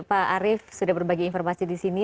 pak arief sudah berbagi informasi disini